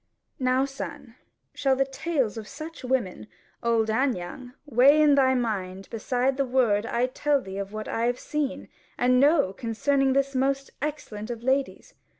Now, son, shall the tales of such women, old and young, weigh in thy mind beside the word I tell thee of what I have seen and know concerning this most excellent of ladies?